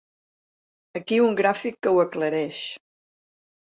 Aquí un gràfic que ho aclareix.